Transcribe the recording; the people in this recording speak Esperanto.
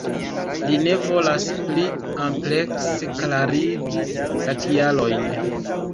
Li ne volas pli amplekse klarigi la kialojn.